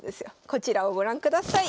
こちらをご覧ください。